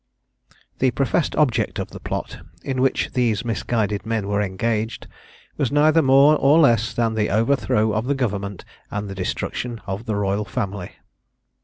The professed object of the plot, in which these misguided men were engaged, was neither more or less than the overthrow of the Government, and the destruction of the Royal Family.